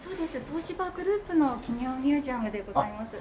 東芝グループの企業ミュージアムでございます。